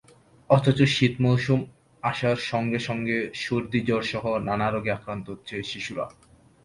অথচ শীত মৌসুম আসার সঙ্গে সঙ্গে সর্দি-জ্বরসহ নানা রোগে আক্রান্ত হচ্ছে শিশুরা।